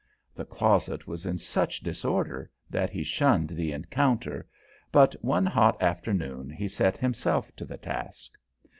The closet was in such disorder that he shunned the encounter, but one hot afternoon he set himself to the task.